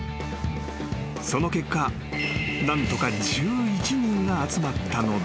［その結果何とか１１人が集まったのだが］